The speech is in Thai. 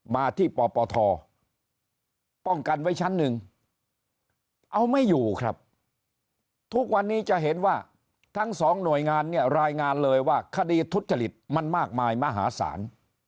มาที่ปปทป้องกันไว้ชั้นหนึ่งเอาไม่อยู่ครับทุกวันนี้จะเห็นว่าทั้งสองหน่วยงานเนี่ยรายงานเลยว่าคดีทุจริตมันมากมายมหาศาล